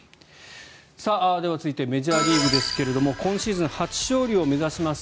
では、続いてメジャーリーグですけれども今シーズン初勝利を目指します